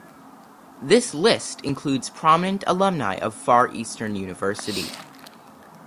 This list includes prominent alumni of Far Eastern University.